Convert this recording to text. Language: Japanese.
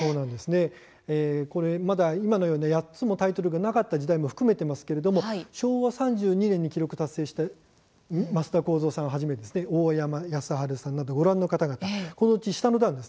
今のような、８つもタイトルがなかったような時代も含めていますが昭和３２年に記録を達成した升田幸三さんをはじめ大山康晴さんなどご覧の方々です。